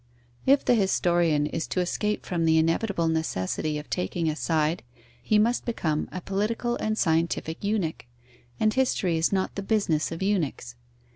If the historian is to escape from the inevitable necessity of taking a side, he must become a political and scientific eunuch; and history is not the business of eunuchs.